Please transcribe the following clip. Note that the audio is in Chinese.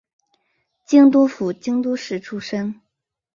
京都府京都市出身。